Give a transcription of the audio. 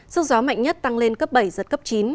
sức gió mạnh nhất tăng lên cấp bảy giật cấp chín